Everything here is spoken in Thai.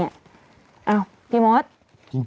เอาพี่มศอาวุธิ์พี่มศพี่มศ